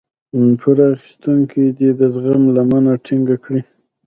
پور اخيستونکی دې د زغم لمنه ټينګه کړي.